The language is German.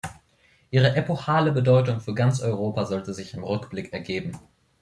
Ihre epochale Bedeutung für ganz Europa sollte sich im Rückblick ergeben.